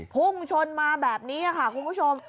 พุ่งชนมาแบบนี้ค่ะคุณผู้ชม